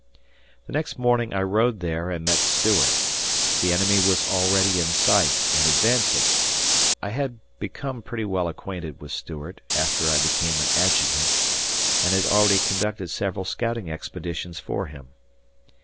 The next morning I rode there and met Stuart. The enemy was already in sight and advancing. I had become pretty well acquainted with Stuart after I became an adjutant and had already conducted several scouting expeditions for him.